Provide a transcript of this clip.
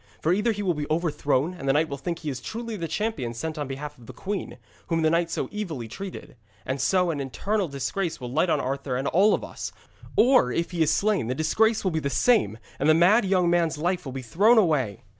For either he will be overthrown, and the knight will think he is truly the champion sent on behalf of the queen, whom the knight so evilly treated, and so an eternal disgrace will light on Arthur and all of us; or, if he is slain, the disgrace will be the same, and the mad young man's life will be thrown away.'